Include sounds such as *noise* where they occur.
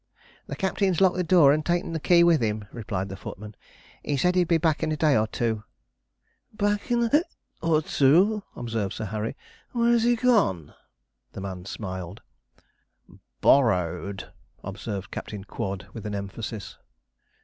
'The captain's locked the door and taken the key with him,' replied the footman; 'he said he'd be back in a day or two.' 'Back in a *hiccups* or two!' observed Sir Harry. 'Where is he gone?' The man smiled. 'Borrowed,' observed Captain Quod, with an emphasis.